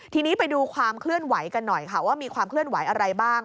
ทีนี้ไปดูความเคลื่อนไหวกันหน่อยค่ะว่ามีความเคลื่อนไหวอะไรบ้าง